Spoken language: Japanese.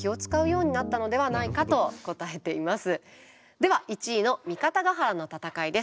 では１位の三方ヶ原の戦いです。